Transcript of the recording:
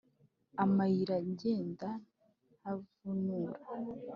Amayira ngenda ntavunura.